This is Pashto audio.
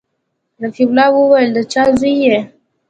رفيع الله وويل د چا زوى يې.